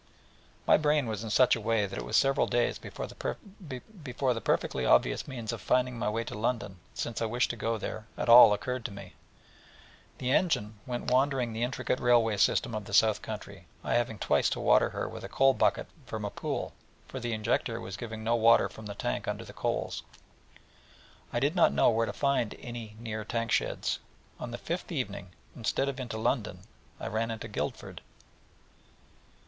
My brain was in such a way, that it was several days before the perfectly obvious means of finding my way to London, since I wished to go there, at all occurred to me; and the engine went wandering the intricate railway system of the south country, I having twice to water her with a coal bucket from a pool, for the injector was giving no water from the tank under the coals, and I did not know where to find any near tank sheds. On the fifth evening, instead of into London, I ran into Guildford.